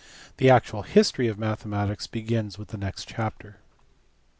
The actual history of mathematics begins with the next chapter.